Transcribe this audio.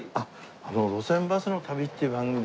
『路線バスの旅』っていう番組でですね